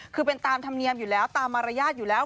คือเป็นตามธรรมเนียมอยู่แล้วตามมารยาทอยู่แล้ว